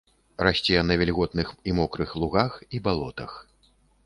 Расце на вільготных і мокрых лугах і балотах.